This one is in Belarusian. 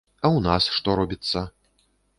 А ў нас што робіцца?